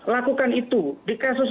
lakukan itu di kasus